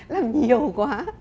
làm nhiều quá